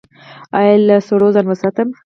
ایا له سړو ځان وساتم؟